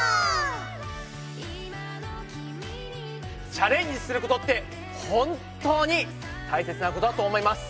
チャレンジすることって本当に大切なことだと思います。